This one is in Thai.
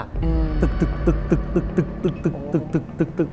ตึก